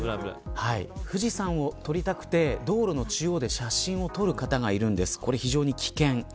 富士山を撮りたくて道路の中央で写真を撮る方がいるんですがこれは危険です。